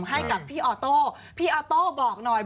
ให้กับพี่ออโต้พี่ออโต้บอกหน่อย